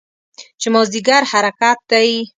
چې مازدیګر حرکت دی.